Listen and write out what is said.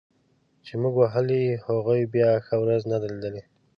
چي موږ وهلي هغوی بیا ښه ورځ نه ده لیدلې